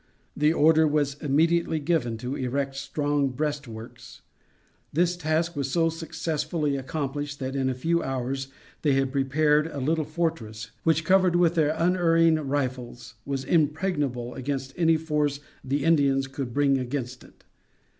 The order was immediately given to erect strong breastworks. This task was so successfully accomplished, that, in a few hours, they had prepared a little fortress, which, covered with their unerring rifles, was impregnable against any force the Indians could bring against it.